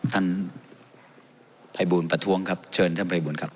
ท่านภัยบูลประท้วงครับเชิญท่านภัยบูลครับ